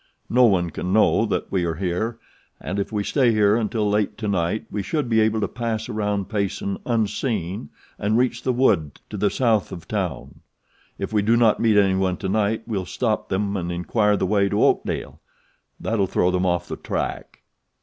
No one can know that we are here and if we stay here until late to night we should be able to pass around Payson unseen and reach the wood to the south of town. If we do meet anyone to night we'll stop them and inquire the way to Oakdale that'll throw them off the track."